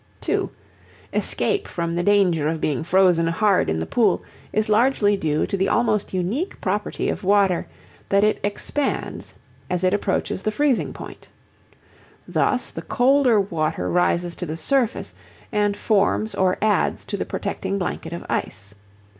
(2) Escape from the danger of being frozen hard in the pool is largely due to the almost unique property of water that it expands as it approaches the freezing point. Thus the colder water rises to the surface and forms or adds to the protecting blanket of ice.